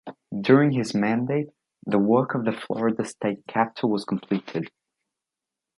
During his mandate, the work of the Florida State Capitol was completed.